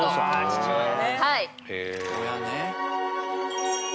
父親ね